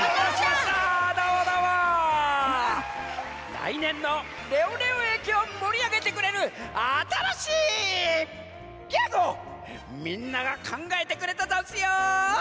らいねんのレオレオえきをもりあげてくれるあたらしいギャグをみんながかんがえてくれたざんすよ！